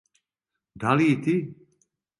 Да ли и ти?